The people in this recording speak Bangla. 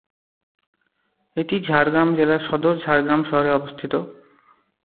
এটি ঝাড়গ্রাম জেলার সদর ঝাড়গ্রাম শহরে অবস্থিত।